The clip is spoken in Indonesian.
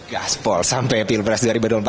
gaspol sampai pilpres dari bandung